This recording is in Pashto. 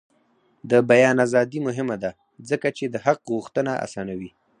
د بیان ازادي مهمه ده ځکه چې د حق غوښتنه اسانوي.